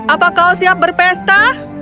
apakah kau siap berpesta